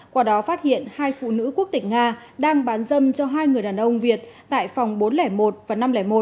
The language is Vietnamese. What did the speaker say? qua đó phát hiện hai phụ nữ quốc tịch nga đang bán dâm cho hai người đàn ông việt tại phòng bốn trăm linh một và năm trăm linh một